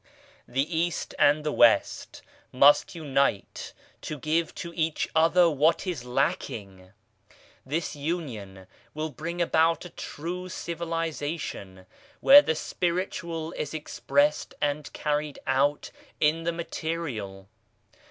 The East and the West must unite to give to each other what is lacking. This Union will bring about a true civilization, where the spiritual is expressed and carried out in thejnaterial.